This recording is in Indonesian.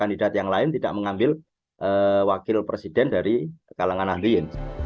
kandidat yang lain tidak mengambil wakil presiden dari kalangan ahliin